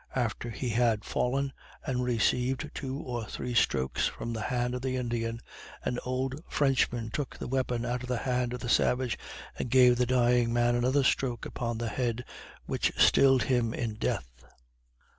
After he had fallen, and received two or three strokes from the hand of the Indian, an old Frenchman took the weapon out of the hand of the savage and gave the dying man another stroke upon the head, which stilled him in death.